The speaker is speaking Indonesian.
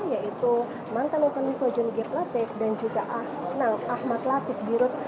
yaitu johan sonianto dan juga anang ahmad latif